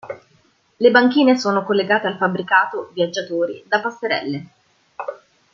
Le banchine sono collegate al fabbricato viaggiatori da passerelle.